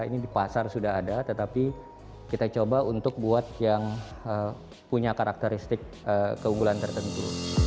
ini di pasar sudah ada tetapi kita coba untuk buat yang punya karakteristik keunggulan tertentu